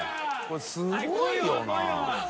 これすごいよ。